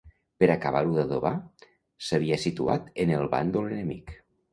Per acabar-ho d'adobar, s'havia situat en el bàndol enemic.